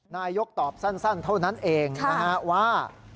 นายกตอบสั้นเท่านั้นเองนะฮะว่า